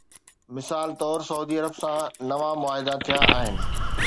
مثال طور سعودي عرب سان نوان معاهدا ٿيا آهن.